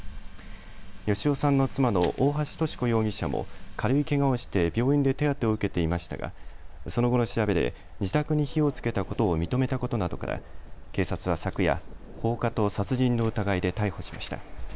芳男さんの妻の大橋とし子容疑者も軽いけがをして病院で手当てを受けていましたが、その後の調べで自宅に火をつけたことを認めたことなどから警察は昨夜、放火と殺人の疑いで逮捕しました。